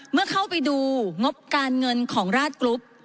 เมื่อเข้าไปดูงบการเงินของราชกรุ๊ป